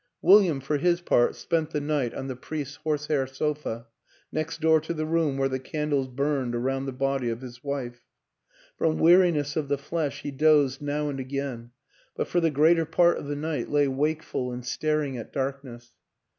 William, for his part, spent the night on the priest's horsehair sofa, next door to the room where the candles burned around the body of his wife. From weariness of the flesh he dozed now and again; but for the greater part of the night lay wakeful and staring at darkness.